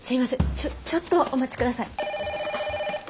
ちょちょっとお待ち下さい。